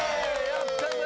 やったぜ！